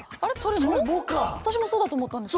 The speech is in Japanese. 私もそうだと思ったんです。